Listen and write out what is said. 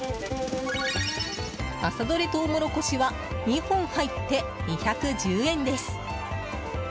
朝どれトウモロコシは２本入って２１０円です。